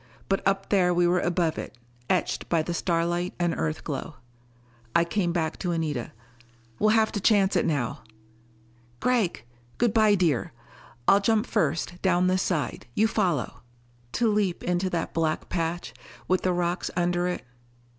But up there we were above it, etched by the starlight and Earthglow. I came back to Anita. "We'll have to chance it now." "Gregg...." "Good bye, dear. I'll jump first, down this side, you follow." To leap into that black patch, with the rocks under it....